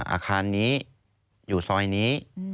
อาคารนี้อยู่ซอยนี้